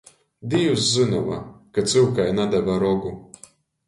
Dīvs zynova, ka cyukai nadeve rogu.